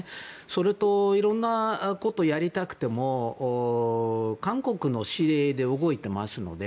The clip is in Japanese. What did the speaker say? それといろんなことをやりたくても韓国の指令で動いていますので